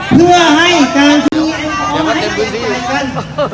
เพื่อให้การที่อัลฟอร์มให้กันไปกัน